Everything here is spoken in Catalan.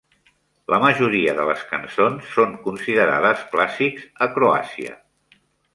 La majoria de les cançons són considerades clàssics a Croàcia.